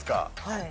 はい。